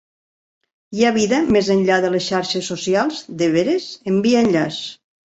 Hi ha vida més enllà de les xarxes socials? De veres? Envia enllaç!